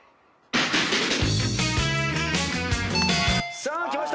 さあきました